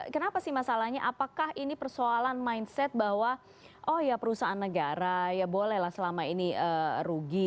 kenapa sih masalahnya apakah ini persoalan mindset bahwa oh ya perusahaan negara ya bolehlah selama ini rugi